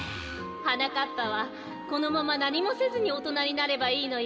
はなかっぱはこのままなにもせずにおとなになればいいのよ。